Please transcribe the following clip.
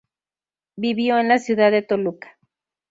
Vivió en la ciudad de Toluca.